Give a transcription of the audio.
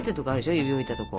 指を置いたところ。